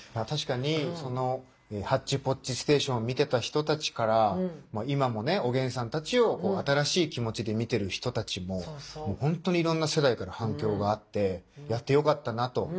確かにその「ハッチポッチステーション」見てた人たちから今もおげんさんたちを新しい気持ちで見てる人たちももう本当にいろんな世代から反響があってやってよかったなと。